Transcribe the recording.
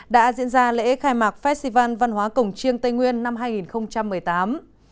đã diễn ra lễ khai mạc festival văn hóa cổng chiêng tây nguyên năm hai nghìn một mươi tám